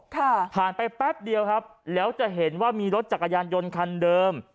ผ่านไปแป๊บเดียวครับแล้วจะเห็นว่ามีรถจักรยานยนต์คันเดิม